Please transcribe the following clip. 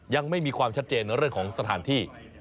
ยังไม่มีความชัดเจนเรื่องของสถานที่